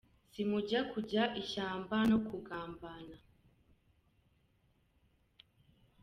Si mu kujya ishyamba no kugambana.